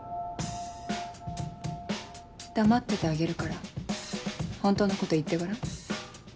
黙っててあげるから本当のこと言ってごらん。